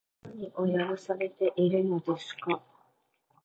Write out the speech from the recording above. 私は何をやらされているのですか